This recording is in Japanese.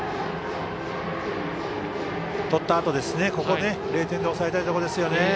取ったあと、ここですね。